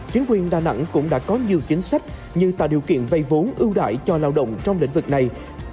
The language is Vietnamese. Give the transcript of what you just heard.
chính quyền đà nẵng cũng đã có nhiều chính sách như tạo điều kiện vây vốn ưu đại cho lao động trong lĩnh vực này